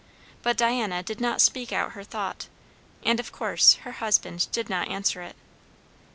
But Diana did not speak out her thought, and of course her husband did not answer it.